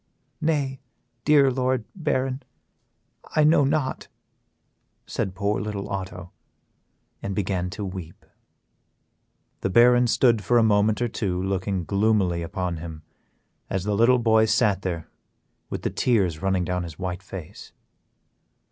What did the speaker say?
"Nay, dear Lord Baron, I know not," said poor little Otto, and began to weep. The Baron stood for a moment or two looking gloomily upon him, as the little boy sat there with the tears running down his white face.